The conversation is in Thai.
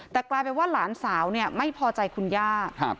แต่กลายเป็นว่าหลานสาวเนี่ยไม่พอใจคุณย่า